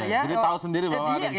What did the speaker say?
jadi tahu sendiri bahwa ada di situ